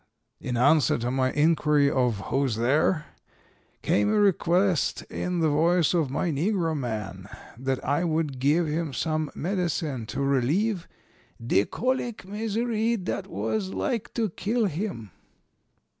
In answer to my inquiry of 'Who's there?' came a request in the voice of my negro man, that I would give him some medicine to relieve 'de colic misery dat was like to kill him.'